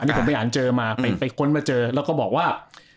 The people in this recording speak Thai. นี่ผมไปอ่านเจอมาไปค้นมาเจอแล้วก็บอกว่า